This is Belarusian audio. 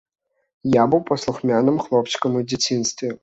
Я быў паслухмяным хлопчыкам у дзяцінстве.